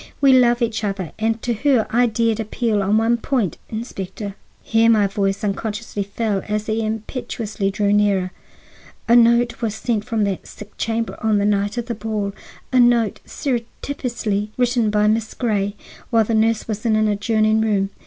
We love each other, and to her I dared appeal on one point. Inspector—" here my voice unconsciously fell as he impetuously drew nearer—"a note was sent from that sick chamber on the night of the ball,—a note surreptitiously written by Miss Grey, while the nurse was in an adjoining room.